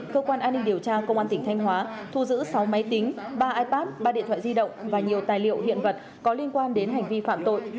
cơ quan an ninh điều tra công an tỉnh thanh hóa thu giữ sáu máy tính ba ipad ba điện thoại di động và nhiều tài liệu hiện vật có liên quan đến hành vi phạm tội